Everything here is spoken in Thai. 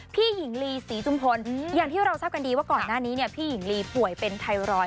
พี่หญิงลีศรีจุมพลอย่างที่เราทราบกันดีว่าก่อนหน้านี้เนี่ยพี่หญิงลีป่วยเป็นไทรอยด